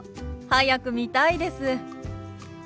早く見たいです。